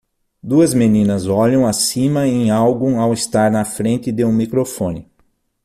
Duas meninas olham acima em algo ao estar na frente de um microfone.